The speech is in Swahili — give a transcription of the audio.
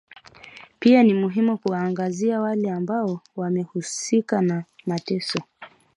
Pia ni muhimu kuwaangazia wale ambao wamehusika na mateso.